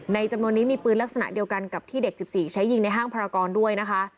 จำนวนนี้มีปืนลักษณะเดียวกันกับที่เด็ก๑๔ใช้ยิงในห้างพรากรด้วยนะคะ